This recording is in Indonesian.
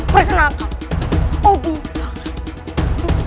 perkenalkan obi pahlawan